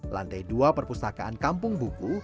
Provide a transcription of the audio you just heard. lantai dua perpustakaan kampung buku